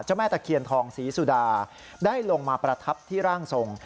แม่ตะเคียนทองศรีสุดาได้ลงมาประทับที่ร่างทรง